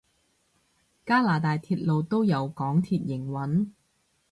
加拿大鐵路都由港鐵營運？